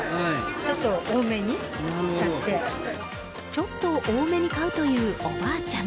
ちょっと多めに買うというおばあちゃん。